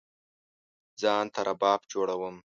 ځان ته رباب جوړوم